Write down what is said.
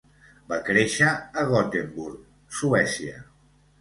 Va créixer a Gothenburg, Suècia.